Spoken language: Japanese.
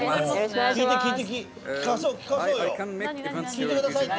聞いてくださいって。